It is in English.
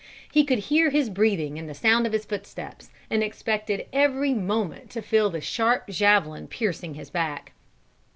He could hear his breathing and the sound of his footsteps, and expected every moment to feel the sharp javelin piercing his back.